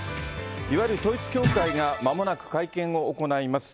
いわゆる統一教会がまもなく会見を行います。